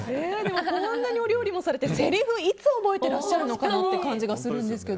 こんなにお料理もされてせりふいつ覚えていらっしゃるのかなという感じがするんですが。